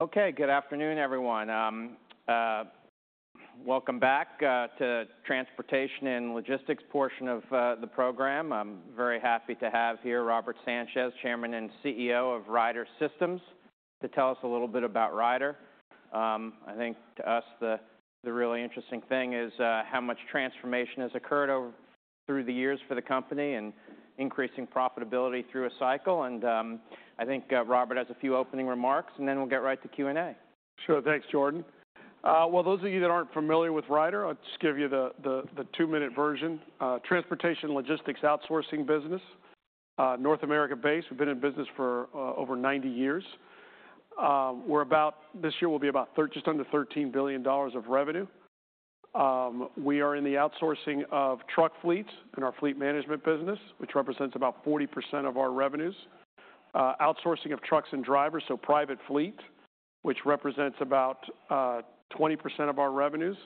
Okay, good afternoon, everyone. Welcome back to the transportation and logistics portion of the program. I'm very happy to have here Robert Sanchez, Chairman and CEO of Ryder System, to tell us a little bit about Ryder. I think to us the really interesting thing is how much transformation has occurred over the years for the company and increasing profitability through a cycle. I think Robert has a few opening remarks, and then we'll get right to Q&A. Sure, thanks, Jordan. Well, those of you that aren't familiar with Ryder, I'll just give you the two-minute version. Transportation and logistics outsourcing business, North America-based. We've been in business for over 90 years. We're about; this year we'll be about thirty just under $13 billion of revenue. We are in the outsourcing of truck fleets in our fleet management business, which represents about 40% of our revenues. Outsourcing of trucks and drivers, so private fleet, which represents about 20% of our revenues.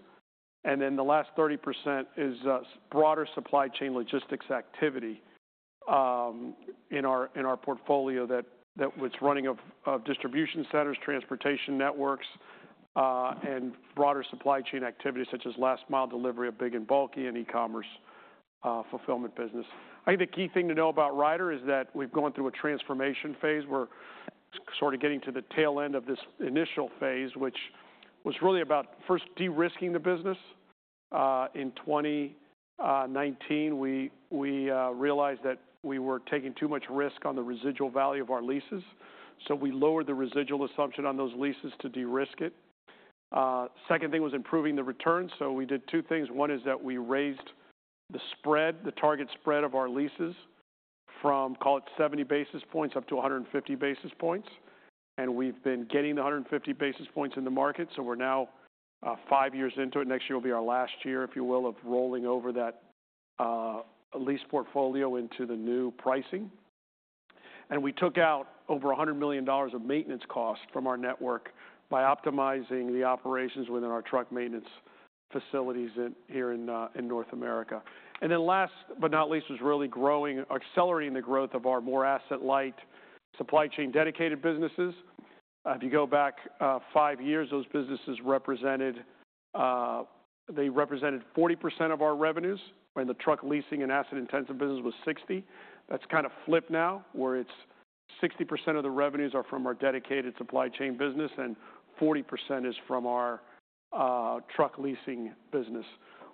And then the last 30% is broader supply chain logistics activity, in our portfolio that was running of distribution centers, transportation networks, and broader supply chain activity such as last-mile delivery of big and bulky and e-commerce fulfillment business. I think the key thing to know about Ryder is that we've gone through a transformation phase. We're sort of getting to the tail end of this initial phase, which was really about first de-risking the business. In 2019, we realized that we were taking too much risk on the residual value of our leases. So we lowered the residual assumption on those leases to de-risk it. Second thing was improving the return. So we did two things. One is that we raised the spread, the target spread of our leases from, call it 70 basis points up to 150 basis points. And we've been getting the 150 basis points in the market. So we're now five years into it. Next year will be our last year, if you will, of rolling over that lease portfolio into the new pricing. And we took out over $100 million of maintenance costs from our network by optimizing the operations within our truck maintenance facilities here in North America. And then last but not least was really growing, accelerating the growth of our more asset-light supply chain dedicated businesses. If you go back five years, those businesses represented 40% of our revenues when the truck leasing and asset-intensive business was 60%. That's kind of flipped now where 60% of the revenues are from our dedicated supply chain business and 40% is from our truck leasing business.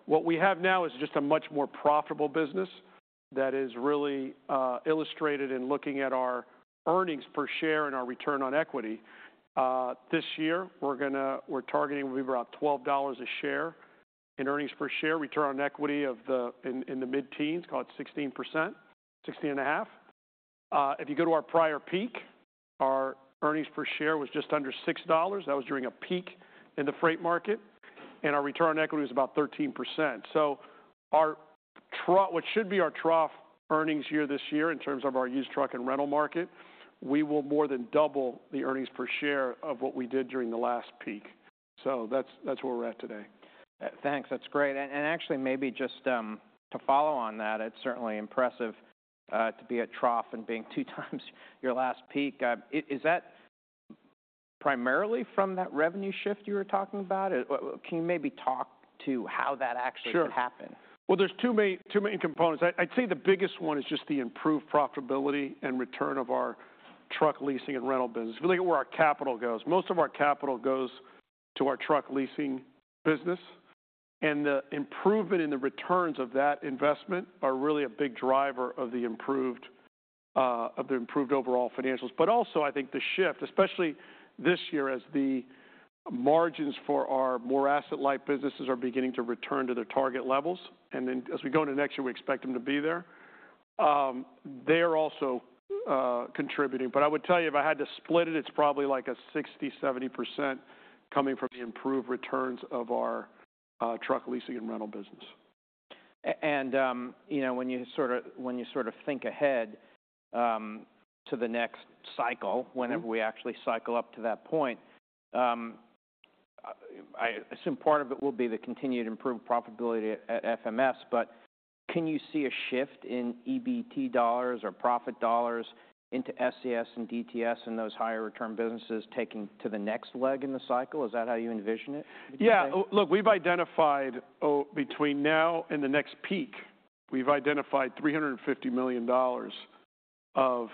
What we have now is just a much more profitable business that is really illustrated in looking at our earnings per share and our return on equity. This year we're targeting we'll be about $12 a share in earnings per share, return on equity in the mid-teens, call it 16%, 16.5%. If you go to our prior peak, our earnings per share was just under $6. That was during a peak in the freight market, and our return on equity was about 13%. Our trough, what should be our trough earnings year this year in terms of our used truck and rental market, we will more than double the earnings per share of what we did during the last peak. That's where we're at today. Thanks. That's great. And actually maybe just to follow on that, it's certainly impressive to be at trough and being two times your last peak. Is that primarily from that revenue shift you were talking about? Can you maybe talk to how that actually happened? Sure. Well, there's two main, two main components. I, I'd say the biggest one is just the improved profitability and return of our truck leasing and rental business. If you look at where our capital goes, most of our capital goes to our truck leasing business. And the improvement in the returns of that investment are really a big driver of the improved, of the improved overall financials. But also I think the shift, especially this year as the margins for our more asset-light businesses are beginning to return to their target levels. And then as we go into next year, we expect them to be there. They're also contributing. But I would tell you if I had to split it, it's probably like a 60%-70% coming from the improved returns of our truck leasing and rental business. You know, when you sort of think ahead to the next cycle, whenever we actually cycle up to that point, I assume part of it will be the continued improved profitability at FMS. But can you see a shift in EBT dollars or profit dollars into SCS and DTS and those higher return businesses taking to the next leg in the cycle? Is that how you envision it? Yeah. Look, we've identified, oh, between now and the next peak, $350 million of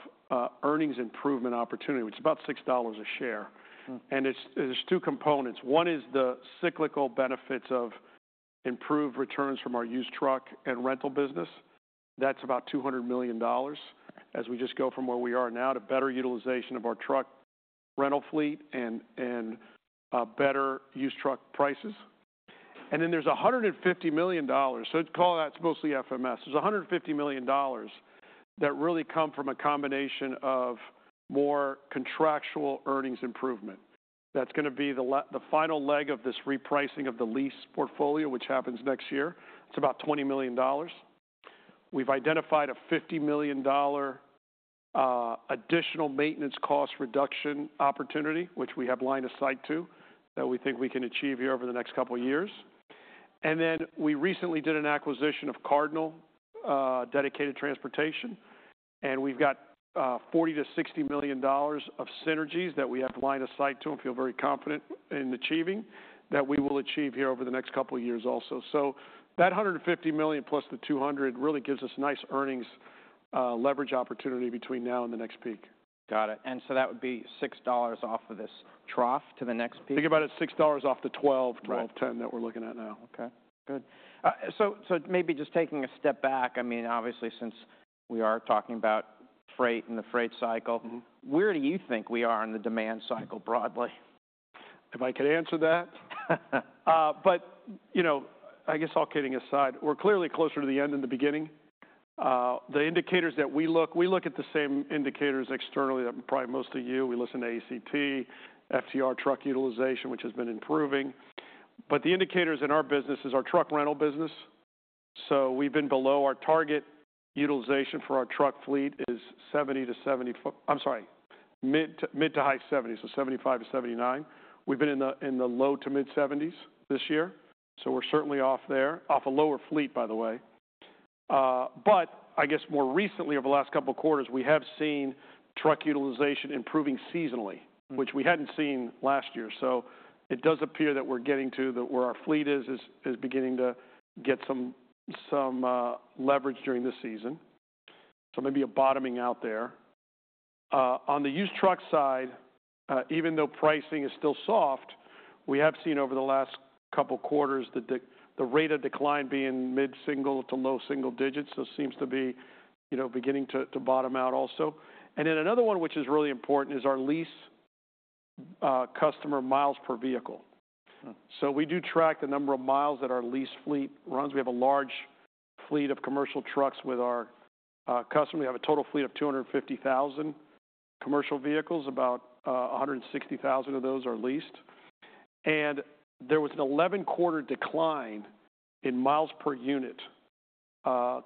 earnings improvement opportunity, which is about $6 a share. Mm-hmm. It's, there's two components. One is the cyclical benefits of improved returns from our used truck and rental business. That's about $200 million as we just go from where we are now to better utilization of our truck rental fleet and better used truck prices. And then there's $150 million. So call it that's mostly FMS. There's $150 million that really come from a combination of more contractual earnings improvement. That's gonna be the final leg of this repricing of the lease portfolio, which happens next year. It's about $20 million. We've identified a $50 million additional maintenance cost reduction opportunity, which we have line of sight to that we think we can achieve here over the next couple of years. And then we recently did an acquisition of Cardinal Logistics. And we've got $40 million-$60 million of synergies that we have lined up to and feel very confident in achieving that we will achieve here over the next couple of years also. So that $150 million plus the $200 really gives us nice earnings leverage opportunity between now and the next peak. Got it. And so that would be $6 off of this trough to the next peak? Think about it, $6 off the $12, $12.10 that we're looking at now. Okay. Good. So, maybe just taking a step back, I mean, obviously since we are talking about freight and the freight cycle. Mm-hmm. Where do you think we are in the demand cycle broadly? If I could answer that, but, you know, I guess all kidding aside, we're clearly closer to the end than the beginning. The indicators that we look, we look at the same indicators externally that probably most of you. We listen to ACT, FTR truck utilization, which has been improving. But the indicators in our business is our truck rental business. So we've been below our target utilization for our truck fleet is 70 to 74, I'm sorry, mid to, mid to high 70s, so 75 to 79. We've been in the, in the low to mid 70s this year. So we're certainly off there, off a lower fleet, by the way, but I guess more recently over the last couple of quarters, we have seen truck utilization improving seasonally. Mm-hmm. Which we hadn't seen last year. So it does appear that we're getting to the where our fleet is beginning to get some leverage during this season. So maybe a bottoming out there. On the used truck side, even though pricing is still soft, we have seen over the last couple quarters the rate of decline being mid-single to low single digits. So it seems to be, you know, beginning to bottom out also. And then another one, which is really important, is our lease customer miles per vehicle. So we do track the number of miles that our lease fleet runs. We have a large fleet of commercial trucks with our customer. We have a total fleet of 250,000 commercial vehicles, about 160,000 of those are leased. There was an 11-quarter decline in miles per unit,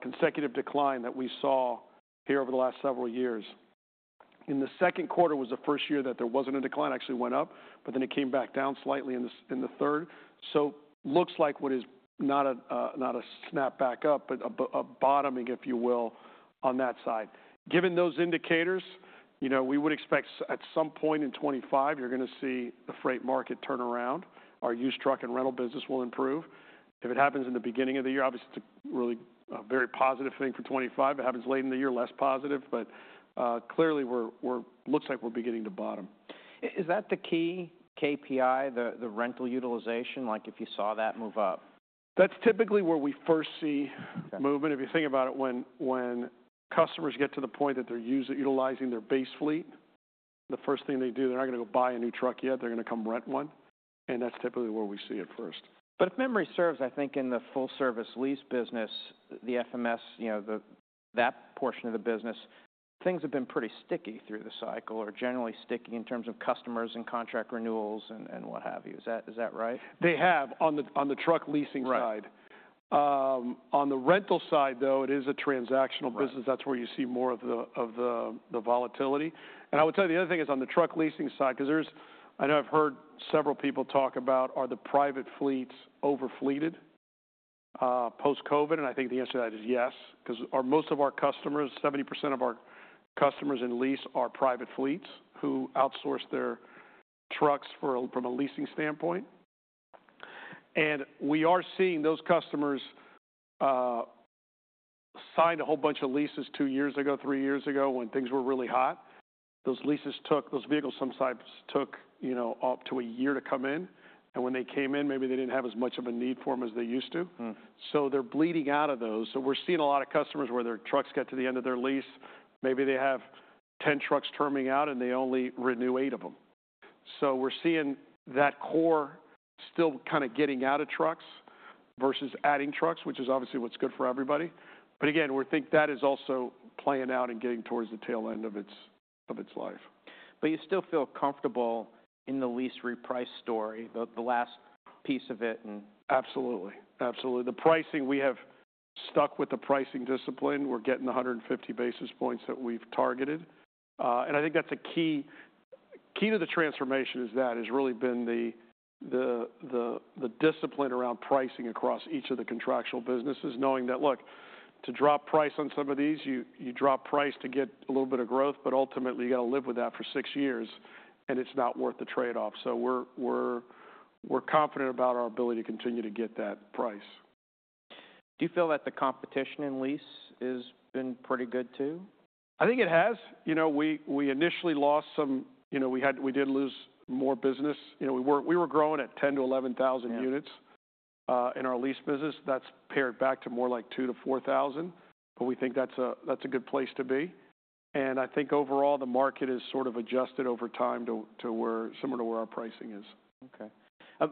consecutive decline that we saw here over the last several years. In the second quarter was the first year that there wasn't a decline, actually went up, but then it came back down slightly in the third. So looks like what is not a snap back up, but a bottoming, if you will, on that side. Given those indicators, you know, we would expect at some point in 2025, you're gonna see the freight market turn around. Our used truck and rental business will improve. If it happens in the beginning of the year, obviously it's a really, very positive thing for 2025. If it happens late in the year, less positive. But clearly we're, looks like we're beginning to bottom. Is that the key KPI, the rental utilization, like if you saw that move up? That's typically where we first see movement. Okay. If you think about it, when customers get to the point that they're utilizing their base fleet, the first thing they do, they're not gonna go buy a new truck yet. They're gonna come rent one. And that's typically where we see it first. But if memory serves, I think in the full-service lease business, the FMS, you know, the, that portion of the business, things have been pretty sticky through the cycle or generally sticky in terms of customers and contract renewals and, and what have you. Is that, is that right? They have on the truck leasing side. Right. On the rental side though, it is a transactional business. Right. That's where you see more of the volatility. And I would tell you the other thing is on the truck leasing side, 'cause there's, I know I've heard several people talk about, are the private fleets overfleeted, post-COVID? And I think the answer to that is yes. 'Cause most of our customers, 70% of our customers in lease are private fleets who outsource their trucks for a, from a leasing standpoint. And we are seeing those customers signed a whole bunch of leases two years ago, three years ago when things were really hot. Those leases took, those vehicles some sizes took, you know, up to a year to come in. And when they came in, maybe they didn't have as much of a need for them as they used to. So they're bleeding out of those. So we're seeing a lot of customers where their trucks get to the end of their lease, maybe they have 10 trucks terminating out and they only renew eight of them. So we're seeing that core still kinda getting out of trucks versus adding trucks, which is obviously what's good for everybody. But again, we think that is also playing out and getting towards the tail end of its life. But you still feel comfortable in the lease reprice story, the last piece of it and. Absolutely. Absolutely. The pricing, we have stuck with the pricing discipline. We're getting the 150 basis points that we've targeted. And I think that's a key to the transformation is that has really been the discipline around pricing across each of the contractual businesses, knowing that, look, to drop price on some of these, you drop price to get a little bit of growth, but ultimately you gotta live with that for six years and it's not worth the trade-off. So we're confident about our ability to continue to get that price. Do you feel that the competition in lease has been pretty good too? I think it has. You know, we initially lost some, you know, we had, we did lose more business. You know, we were growing at 10,000-11,000 units. Yeah. In our lease business. That's pared back to more like 2,000-4,000. But we think that's a good place to be, and I think overall the market has sort of adjusted over time to where similar to where our pricing is. Okay,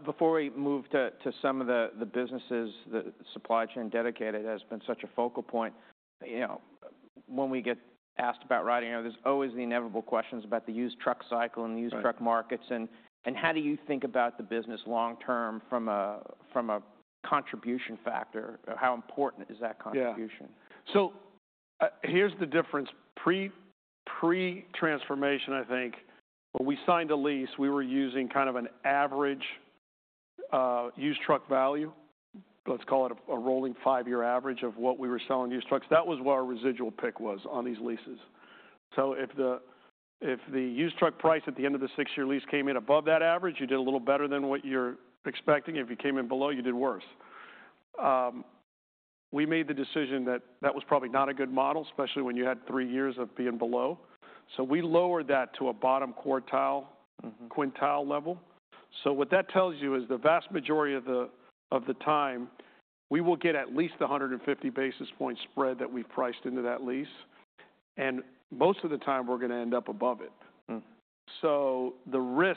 before we move to some of the businesses, the supply chain dedicated has been such a focal point, you know, when we get asked about Ryder, you know, there's always the inevitable questions about the used truck cycle and the used truck markets. Mm-hmm. How do you think about the business long-term from a contribution factor? How important is that contribution? Yeah. So, here's the difference. Pre-transformation, I think when we signed a lease, we were using kind of an average used truck value. Let's call it a rolling five-year average of what we were selling used trucks. That was what our residual pick was on these leases. So if the used truck price at the end of the six-year lease came in above that average, you did a little better than what you're expecting. If you came in below, you did worse. We made the decision that that was probably not a good model, especially when you had three years of being below. So we lowered that to a bottom quartile. Mm-hmm. Quintile level. So what that tells you is the vast majority of the time, we will get at least the 150 basis point spread that we've priced into that lease. And most of the time we're gonna end up above it. So the risk,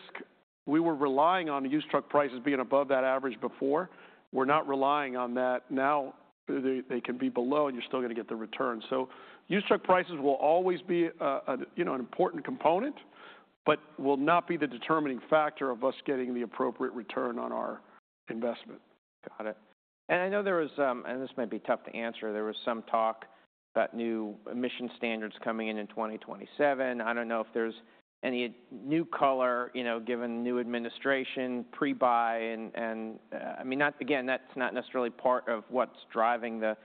we were relying on used truck prices being above that average before. We're not relying on that now. They can be below and you're still gonna get the return. So used truck prices will always be a you know an important component, but will not be the determining factor of us getting the appropriate return on our investment. Got it. And I know there was, and this might be tough to answer, there was some talk about new emission standards coming in in 2027. I don't know if there's any new color, you know, given new administration, pre-buy and, I mean, not again, that's not necessarily part of what's driving the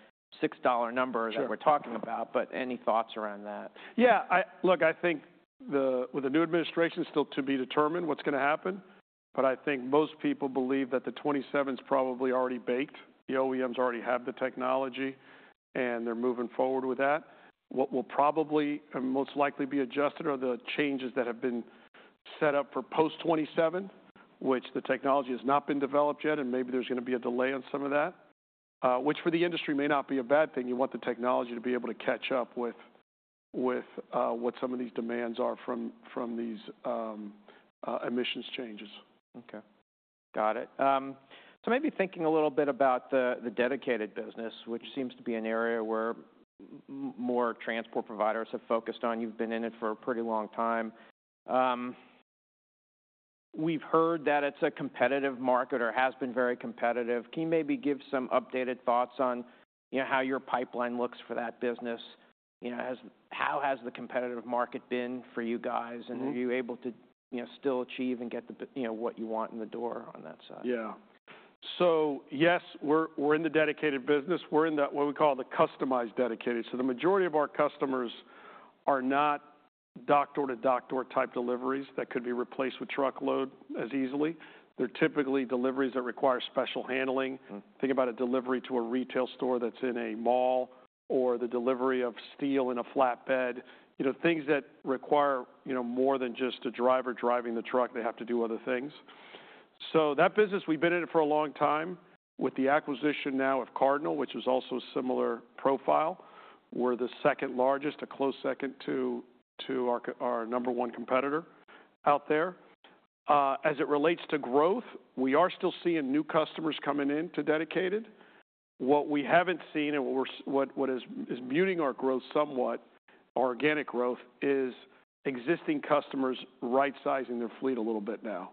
$6 number that we're talking about. Sure. But any thoughts around that? Yeah. I look, I think the, with the new administration still to be determined what's gonna happen. But I think most people believe that the 2027's probably already baked. The OEMs already have the technology and they're moving forward with that. What will probably most likely be adjusted are the changes that have been set up for post 2027, which the technology has not been developed yet and maybe there's gonna be a delay on some of that, which for the industry may not be a bad thing. You want the technology to be able to catch up with, with, what some of these demands are from, from these, emissions changes. Okay. Got it. So maybe thinking a little bit about the dedicated business, which seems to be an area where more transport providers have focused on. You've been in it for a pretty long time. We've heard that it's a competitive market or has been very competitive. Can you maybe give some updated thoughts on, you know, how your pipeline looks for that business? You know, how has the competitive market been for you guys? And are you able to, you know, still achieve and get the, you know, what you want in the door on that side? Yeah. So yes, we're in the dedicated business. We're in what we call the customized dedicated. So the majority of our customers are not dock-to-dock type deliveries that could be replaced with truckload as easily. They're typically deliveries that require special handling. Think about a delivery to a retail store that's in a mall or the delivery of steel in a flatbed. You know, things that require, you know, more than just a driver driving the truck. They have to do other things. So that business, we've been in it for a long time with the acquisition now of Cardinal, which is also a similar profile. We're the second largest, a close second to our number one competitor out there. As it relates to growth, we are still seeing new customers coming into dedicated. What we haven't seen and what is muting our growth somewhat, our organic growth, is existing customers right-sizing their fleet a little bit now,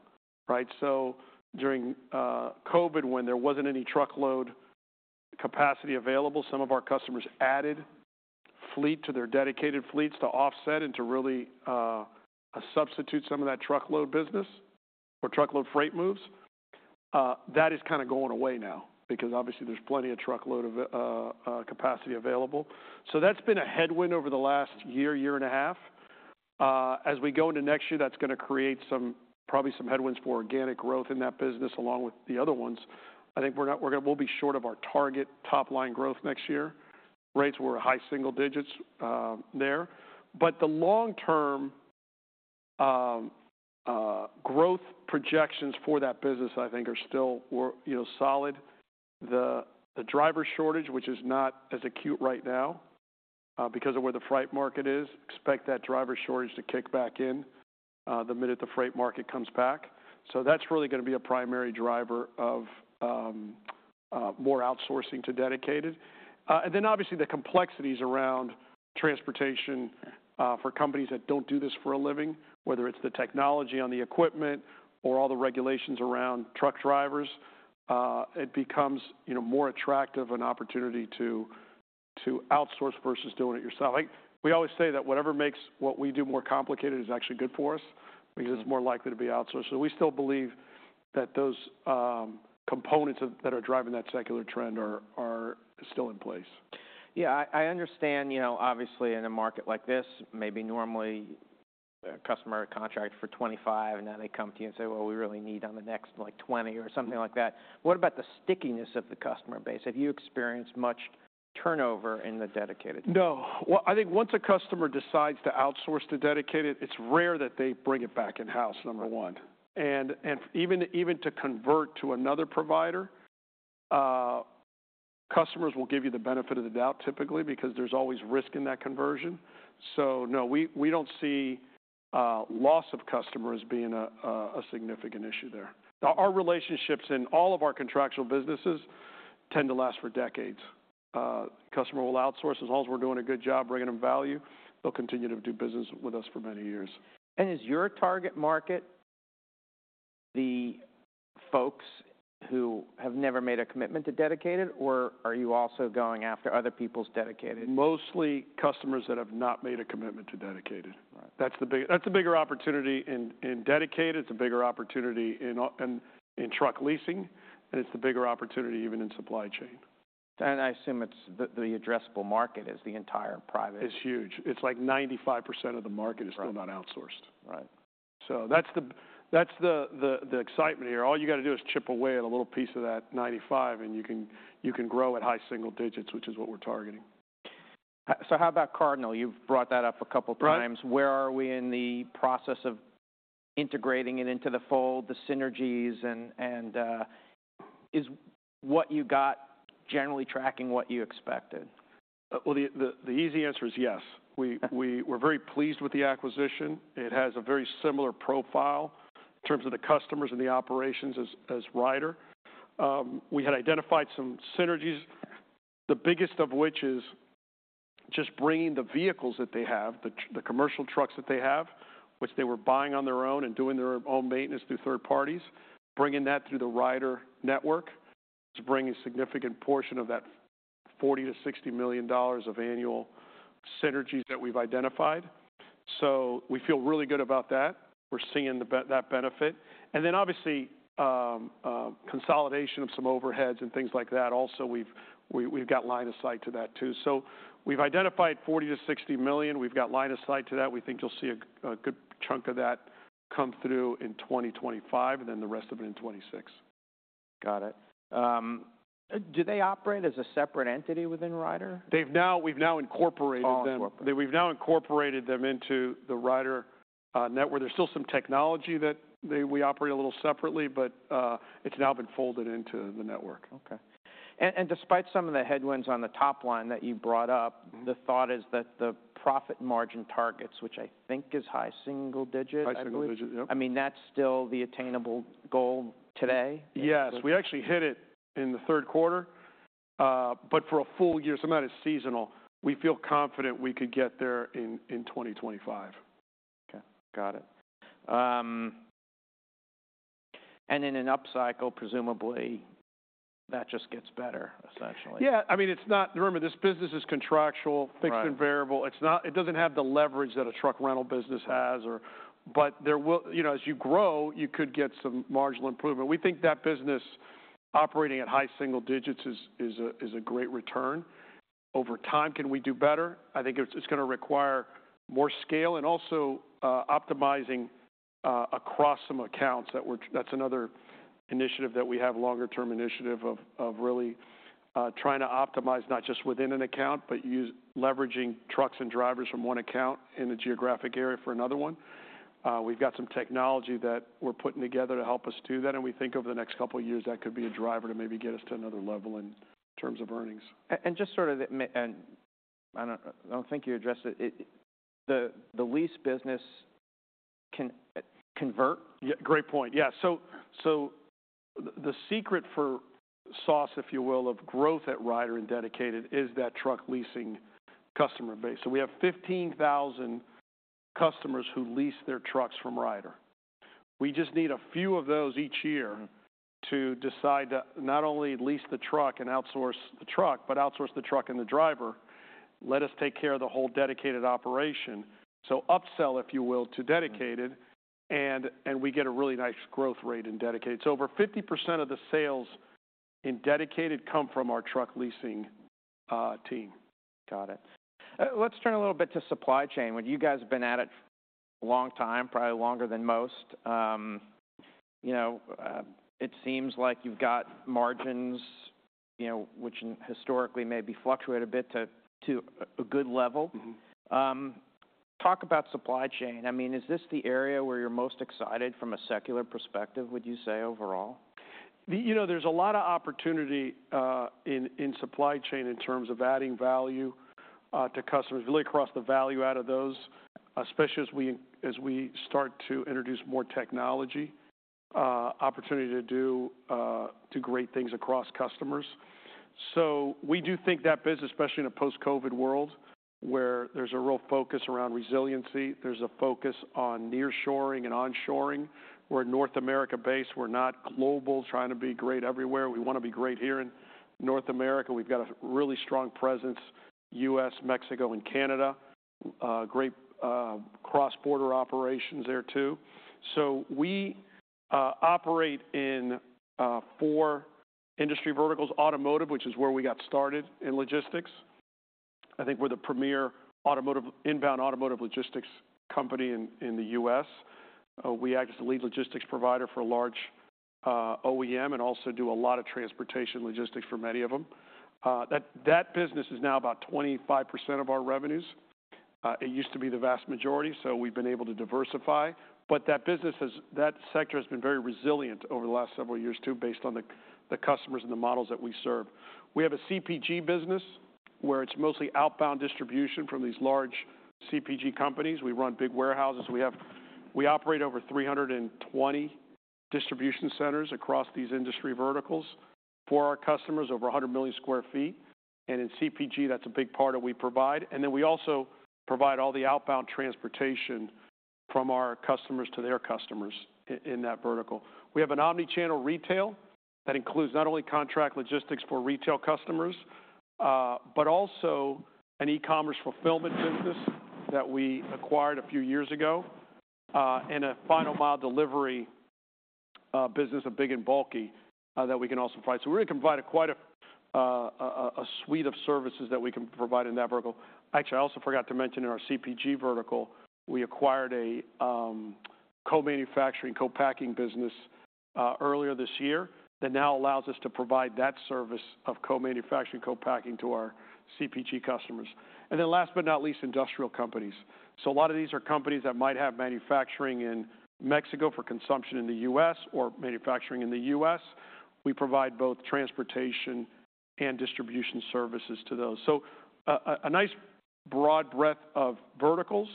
right? So during COVID, when there wasn't any truckload capacity available, some of our customers added fleet to their dedicated fleets to offset and to really substitute some of that truckload business or truckload freight moves. That is kinda going away now because obviously there's plenty of truckload capacity available. So that's been a headwind over the last year and a half. As we go into next year, that's gonna create some probably headwinds for organic growth in that business along with the other ones. I think we're gonna be short of our target top-line growth next year. Rates were high single digits, there. But the long-term growth projections for that business, I think, are still, you know, solid. The driver shortage, which is not as acute right now because of where the freight market is, expect that driver shortage to kick back in the minute the freight market comes back. So that's really gonna be a primary driver of more outsourcing to dedicated. And then obviously the complexities around transportation, for companies that don't do this for a living, whether it's the technology on the equipment or all the regulations around truck drivers, it becomes, you know, more attractive an opportunity to outsource versus doing it yourself. Like we always say that whatever makes what we do more complicated is actually good for us because it's more likely to be outsourced. So we still believe that those components that are driving that secular trend are still in place. Yeah. I understand, you know, obviously in a market like this, maybe normally a customer contracts for 2025 and then they come to you and say, "Well, we really need on the next like 2020," or something like that. What about the stickiness of the customer base? Have you experienced much turnover in the dedicated? No. I think once a customer decides to outsource to dedicated, it's rare that they bring it back in-house, number one. And even to convert to another provider, customers will give you the benefit of the doubt typically because there's always risk in that conversion. So no, we don't see loss of customers being a significant issue there. Our relationships in all of our contractual businesses tend to last for decades. Customer will outsource as long as we're doing a good job bringing them value, they'll continue to do business with us for many years. Is your target market the folks who have never made a commitment to dedicated or are you also going after other people's dedicated? Mostly customers that have not made a commitment to dedicated. Right. That's the bigger opportunity in dedicated. It's a bigger opportunity and in truck leasing. It's the bigger opportunity even in supply chain. I assume it's the addressable market is the entire private. It's huge. It's like 95% of the market is still not outsourced. Right. Right. So that's the excitement here. All you gotta do is chip away at a little piece of that 95 and you can grow at high single digits, which is what we're targeting. So how about Cardinal? You've brought that up a couple of times. Right. Where are we in the process of integrating it into the fold, the synergies and, is what you got generally tracking what you expected? The easy answer is yes. We were very pleased with the acquisition. It has a very similar profile in terms of the customers and the operations as Ryder. We had identified some synergies, the biggest of which is just bringing the vehicles that they have, the commercial trucks that they have, which they were buying on their own and doing their own maintenance through third parties, bringing that through the Ryder network is bringing a significant portion of that $40 million-$60 million of annual synergies that we've identified. So we feel really good about that. We're seeing the benefit. Then obviously, consolidation of some overheads and things like that. Also, we've got line of sight to that too. So we've identified $40 million-$60 million. We've got line of sight to that. We think you'll see a good chunk of that come through in 2025 and then the rest of it in 2026. Got it. Do they operate as a separate entity within Ryder? We've now incorporated them. Oh, incorporated. They've now incorporated them into the Ryder network. There's still some technology that they, we operate a little separately, but it's now been folded into the network. Okay. And despite some of the headwinds on the top line that you brought up. Mm-hmm. The thought is that the profit margin targets, which I think is high single digit. High single digit. Yeah. I mean, that's still the attainable goal today? Yes. We actually hit it in the third quarter, but for a full year, so not a seasonal, we feel confident we could get there in 2025. Okay. Got it. And in an upcycle, presumably that just gets better essentially. Yeah. I mean, it's not. Remember, this business is contractual. Right. Fixed and variable. It's not; it doesn't have the leverage that a truck rental business has or, but there will, you know, as you grow, you could get some marginal improvement. We think that business operating at high single digits is a great return over time. Can we do better? I think it's gonna require more scale and also optimizing across some accounts that we're; that's another initiative that we have, longer-term initiative of really trying to optimize not just within an account, but use leveraging trucks and drivers from one account in a geographic area for another one. We've got some technology that we're putting together to help us do that. And we think over the next couple of years, that could be a driver to maybe get us to another level in terms of earnings. Just sort of, and I don't think you addressed it. It, the lease business can convert? Yeah. Great point. Yeah. So the secret sauce, if you will, of growth at Ryder and dedicated is that truck leasing customer base. So we have 15,000 customers who lease their trucks from Ryder. We just need a few of those each year to decide to not only lease the truck and outsource the truck, but outsource the truck and the driver, let us take care of the whole dedicated operation. So upsell, if you will, to dedicated. And we get a really nice growth rate in dedicated. So over 50% of the sales in dedicated come from our truck leasing team. Got it. Let's turn a little bit to supply chain. When you guys have been at it a long time, probably longer than most, you know, it seems like you've got margins, you know, which historically maybe fluctuate a bit to a good level. Mm-hmm. Talk about supply chain. I mean, is this the area where you're most excited from a secular perspective? Would you say overall? You know, there's a lot of opportunity in supply chain in terms of adding value to customers, really across the value chain of those, especially as we start to introduce more technology, opportunity to do great things across customers. So we do think that business, especially in a post-COVID world where there's a real focus around resiliency, there's a focus on nearshoring and onshoring. We're North America-based. We're not global trying to be great everywhere. We wanna be great here in North America. We've got a really strong presence in the U.S., Mexico, and Canada, great cross-border operations there too. So we operate in four industry verticals, automotive, which is where we got started in logistics. I think we're the premier automotive inbound automotive logistics company in the U.S.. We act as a Lead Logistics Provider for a large OEM and also do a lot of transportation logistics for many of them. That, that business is now about 25% of our revenues. It used to be the vast majority, so we've been able to diversify. But that business has, that sector has been very resilient over the last several years too, based on the, the customers and the models that we serve. We have a CPG business where it's mostly outbound distribution from these large CPG companies. We run big warehouses. We have, we operate over 320 distribution centers across these industry verticals for our customers, over 100 million sq ft. And in CPG, that's a big part of what we provide. And then we also provide all the outbound transportation from our customers to their customers in, in that vertical. We have an omnichannel retail that includes not only contract logistics for retail customers, but also an e-commerce fulfillment business that we acquired a few years ago, and a final mile delivery business of big and bulky that we can also provide. So we're gonna provide quite a suite of services that we can provide in that vertical. Actually, I also forgot to mention in our CPG vertical, we acquired a co-manufacturing, co-packing business earlier this year that now allows us to provide that service of co-manufacturing, co-packing to our CPG customers. And then last but not least, industrial companies. So a lot of these are companies that might have manufacturing in Mexico for consumption in the US or manufacturing in the U.S.. We provide both transportation and distribution services to those. So, a nice broad breadth of verticals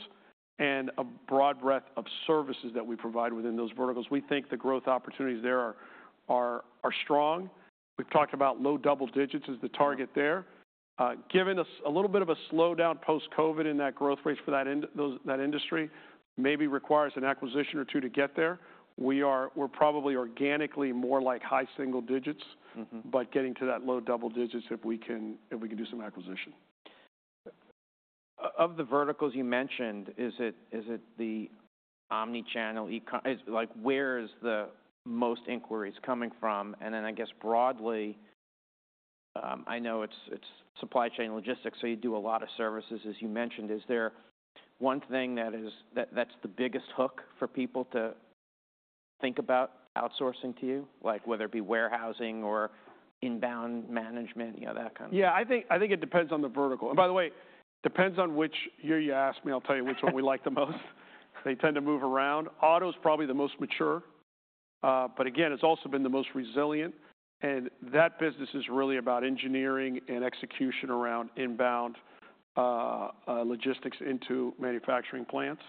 and a broad breadth of services that we provide within those verticals. We think the growth opportunities there are strong. We've talked about low double digits as the target there. Given a little bit of a slowdown post-COVID in that growth rate for that industry, maybe requires an acquisition or two to get there. We're probably organically more like high single digits. Mm-hmm. But getting to that low double digits, if we can, if we can do some acquisition. Of the verticals you mentioned, is it, is it the omnichannel e-com? Is it like where is the most inquiries coming from? And then I guess broadly, I know it's, it's supply chain logistics, so you do a lot of services, as you mentioned. Is there one thing that is, that that's the biggest hook for people to think about outsourcing to you, like whether it be warehousing or inbound management, you know, that kind of? Yeah. I think, I think it depends on the vertical. And by the way, it depends on which year you ask me, I'll tell you which one we like the most. They tend to move around. Auto's probably the most mature. But again, it's also been the most resilient. And that business is really about engineering and execution around inbound logistics into manufacturing plants.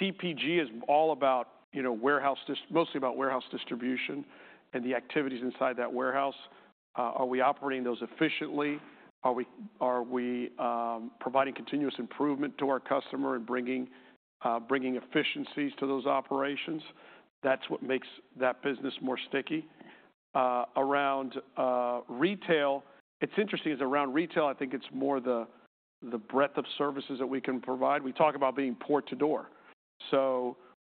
CPG is all about, you know, warehouse, mostly about warehouse distribution and the activities inside that warehouse. Are we operating those efficiently? Are we, are we providing continuous improvement to our customer and bringing, bringing efficiencies to those operations? That's what makes that business more sticky. Around retail, it's interesting is around retail, I think it's more the, the breadth of services that we can provide. We talk about being port to door.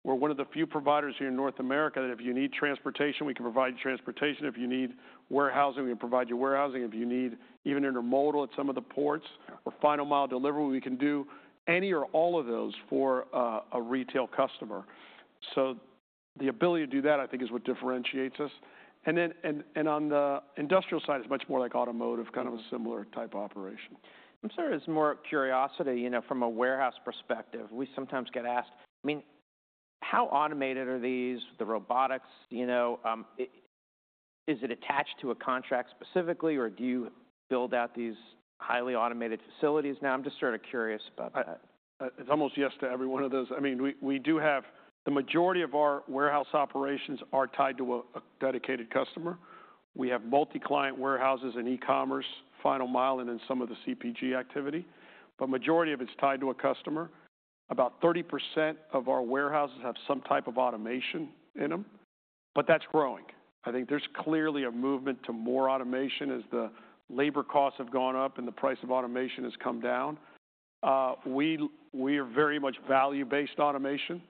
We're one of the few providers here in North America that if you need transportation, we can provide you transportation. If you need warehousing, we can provide you warehousing. If you need even intermodal at some of the ports or final mile delivery, we can do any or all of those for a retail customer. The ability to do that, I think, is what differentiates us. And then on the industrial side, it's much more like automotive, kind of a similar type operation. I'm sorry, just more curiosity, you know, from a warehouse perspective, we sometimes get asked, I mean, how automated are these, the robotics, you know, is it attached to a contract specifically or do you build out these highly automated facilities now? I'm just sort of curious about that. It's almost yes to every one of those. I mean, we do have the majority of our warehouse operations are tied to a dedicated customer. We have multi-client warehouses and e-commerce, final mile, and then some of the CPG activity. But majority of it's tied to a customer. About 30% of our warehouses have some type of automation in them, but that's growing. I think there's clearly a movement to more automation as the labor costs have gone up and the price of automation has come down. We are very much value-based automation.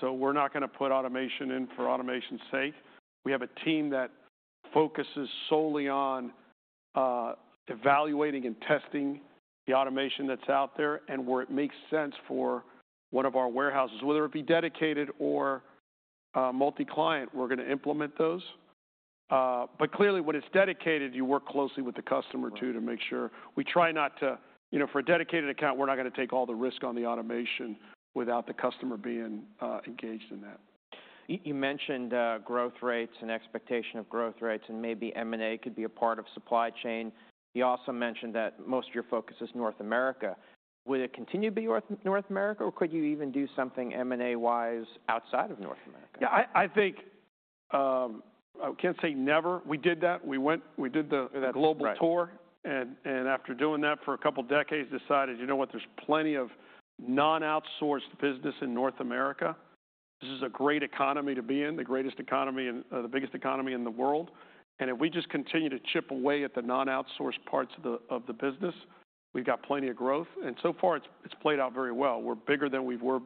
So we're not gonna put automation in for automation's sake. We have a team that focuses solely on evaluating and testing the automation that's out there and where it makes sense for one of our warehouses, whether it be dedicated or multi-client, we're gonna implement those. But clearly when it's dedicated, you work closely with the customer too, to make sure. We try not to, you know, for a dedicated account, we're not gonna take all the risk on the automation without the customer being engaged in that. You mentioned growth rates and expectation of growth rates and maybe M&A could be a part of supply chain. You also mentioned that most of your focus is North America. Would it continue to be North America, or could you even do something M&A-wise outside of North America? Yeah. I think I can't say never. We did that. We went. We did the global tour. That's right. And after doing that for a couple decades, decided, you know what, there's plenty of non-outsourced business in North America. This is a great economy to be in, the greatest economy in, the biggest economy in the world. And if we just continue to chip away at the non-outsourced parts of the business, we've got plenty of growth. And so far, it's played out very well. We're bigger than we were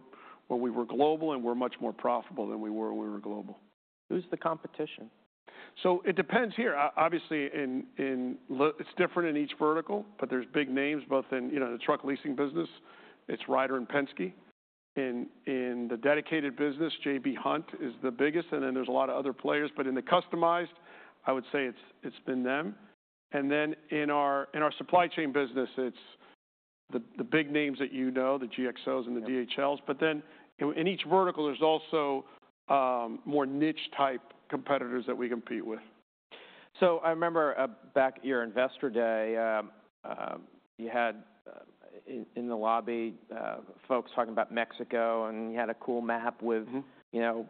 when we were global, and we're much more profitable than we were when we were global. Who's the competition? So it depends here. Obviously in all it's different in each vertical, but there's big names both in you know the truck leasing business, it's Ryder and Penske. In the dedicated business, J.B. Hunt is the biggest. And then there's a lot of other players. But in the customized, I would say it's been them. And then in our supply chain business, it's the big names that you know, the GXOs and the DHLs. But then in each vertical, there's also more niche-type competitors that we compete with. I remember, back at your investor day, you had, in the lobby, folks talking about Mexico, and you had a cool map with. Mm-hmm. You know,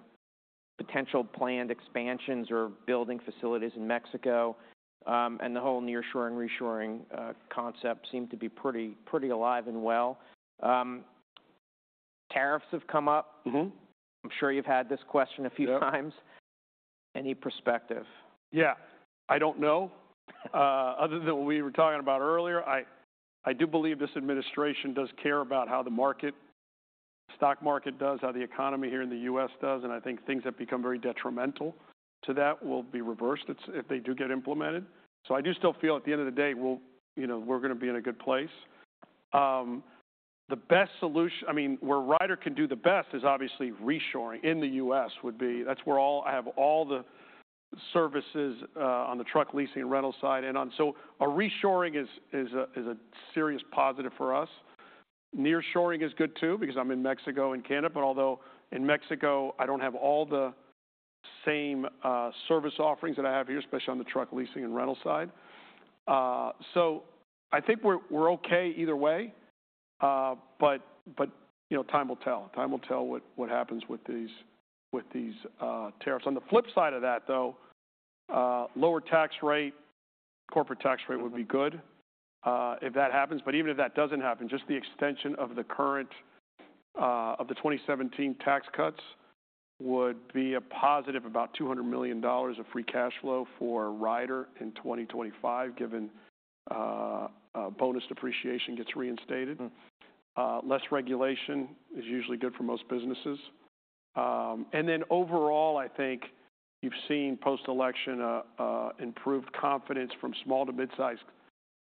potential planned expansions or building facilities in Mexico and the whole nearshoring, reshoring concept seemed to be pretty, pretty alive and well. Tariffs have come up. Mm-hmm. I'm sure you've had this question a few times. Yeah. Any perspective? Yeah. I don't know other than what we were talking about earlier. I do believe this administration does care about how the market, stock market does, how the economy here in the U.S. does. And I think things that become very detrimental to that will be reversed, it's if they do get implemented. So I do still feel at the end of the day, we'll, you know, we're gonna be in a good place. The best solution, I mean, where Ryder can do the best is obviously reshoring in the U.S. would be, that's where all, I have all the services, on the truck leasing and rental side and on. So a reshoring is a serious positive for us. Nearshoring is good too because I'm in Mexico and Canada, but although in Mexico, I don't have all the same service offerings that I have here, especially on the truck leasing and rental side, so I think we're okay either way, but you know, time will tell. Time will tell what happens with these tariffs. On the flip side of that though, lower tax rate, corporate tax rate would be good, if that happens. But even if that doesn't happen, just the extension of the current 2017 tax cuts would be a positive about $200 million of free cash flow for Ryder in 2025, given bonus depreciation gets reinstated. Less regulation is usually good for most businesses, and then overall, I think you've seen post-election, improved confidence from small to mid-sized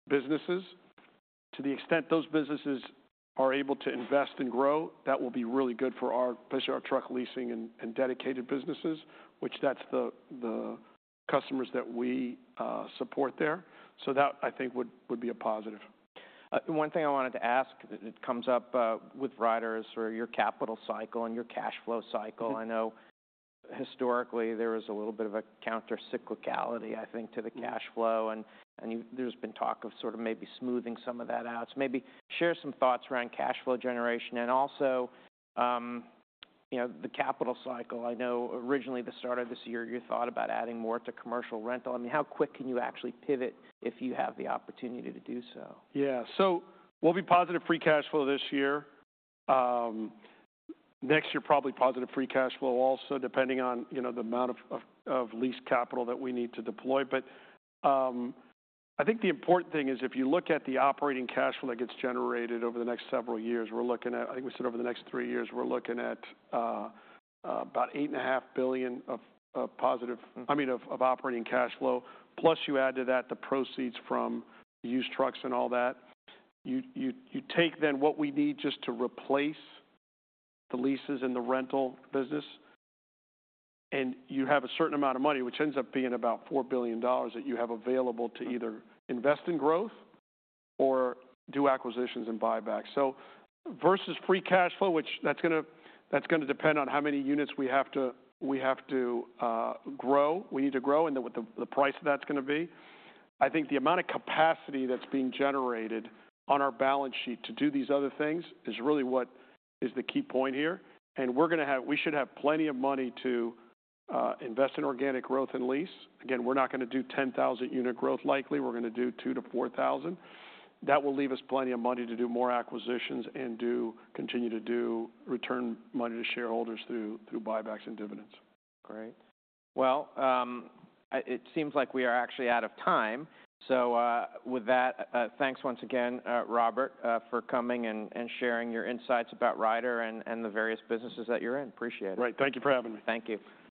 businesses. To the extent those businesses are able to invest and grow, that will be really good for our, especially our truck leasing and dedicated businesses, which that's the customers that we support there. So that, I think, would be a positive. One thing I wanted to ask that comes up with Ryder is sort of your capital cycle and your cash flow cycle? Mm-hmm. I know historically there was a little bit of a countercyclicality, I think, to the cash flow. And you, there's been talk of sort of maybe smoothing some of that out. So maybe share some thoughts around cash flow generation. And also, you know, the capital cycle. I know originally the start of this year, you thought about adding more to commercial rental. I mean, how quick can you actually pivot if you have the opportunity to do so? Yeah. So we'll be positive free cash flow this year. Next year, probably positive free cash flow also, depending on, you know, the amount of lease capital that we need to deploy. But, I think the important thing is if you look at the operating cash flow that gets generated over the next several years, we're looking at, I think we said over the next three years, we're looking at, about $8.5 billion of positive. I mean, of operating cash flow. Plus you add to that the proceeds from used trucks and all that. You take then what we need just to replace the leases and the rental business, and you have a certain amount of money, which ends up being about $4 billion that you have available to either invest in growth or do acquisitions and buybacks. Versus free cash flow, that's gonna depend on how many units we need to grow and then what the price of that's gonna be. I think the amount of capacity that's being generated on our balance sheet to do these other things is really what is the key point here. We're gonna have, we should have plenty of money to invest in organic growth and lease. Again, we're not gonna do 10,000-unit growth likely. We're gonna do 2,000-4,000. That will leave us plenty of money to do more acquisitions and continue to return money to shareholders through buybacks and dividends. Great. Well, it seems like we are actually out of time. So, with that, thanks once again, Robert, for coming and sharing your insights about Ryder and the various businesses that you're in. Appreciate it. Right. Thank you for having me. Thank you.